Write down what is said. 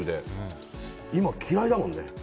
今、嫌いだもんね。